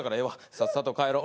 さっさと帰ろう。